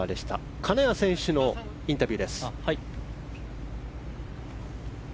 金谷選手のインタビューです。